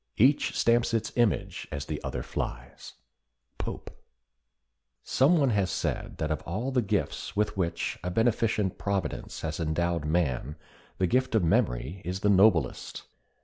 Each stamps its image as the other flies." —POPE. Some one has said that of all the gifts with which a beneficent Providence has endowed man the gift of memory is the noblest.